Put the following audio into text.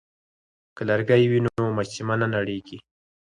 که لرګی وي نو مجسمه نه نړیږي.